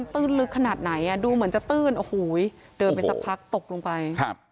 ตื้นลึกขนาดไหนดูมันจะตื้นตกลงไป